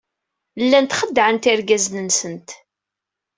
Llant xeddɛent irgazen-nsent.